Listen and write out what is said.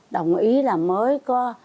đồng ý là mới có